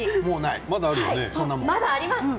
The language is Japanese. まだあります。